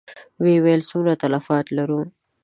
ويې ويل: څومره تلفات لرو؟